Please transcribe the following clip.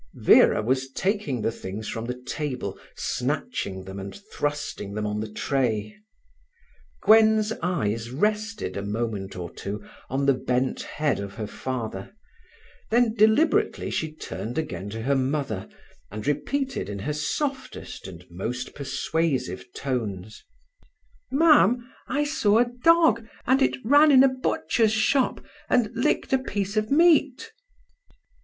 Vera was taking the things from the table, snatching them, and thrusting them on the tray. Gwen's eyes rested a moment or two on the bent head of her father; then deliberately she turned again to her mother, and repeated in her softest and most persuasive tones: "Mam, I saw a dog, and it ran in a butcher's shop and licked a piece of meat.